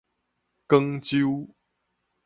廣州